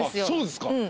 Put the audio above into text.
そうですか。